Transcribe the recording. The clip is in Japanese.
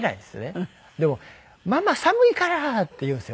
でも「ママ寒いから」って言うんですよ。